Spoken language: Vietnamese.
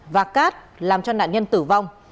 và cát làm cho nạn nhân tử vong